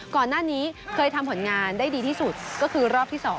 ก่อนหน้านี้เคยทำผลงานได้ดีที่สุดก็คือรอบที่๒